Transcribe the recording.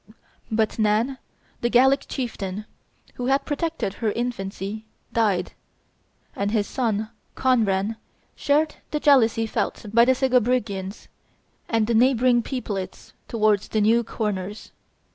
But Nann, the Gallic chieftain, who had protected her infancy, died; and his son, Conran, shared the jealousy felt by the Segobrigians and the neighboring peoplets towards the new corners.